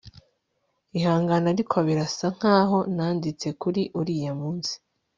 Ihangane ariko birasa nkaho nanditse kuri uriya munsi